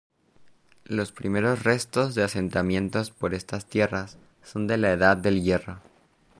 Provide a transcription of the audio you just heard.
Los primeros restos de asentamientos por estas tierras son de la Edad del Hierro.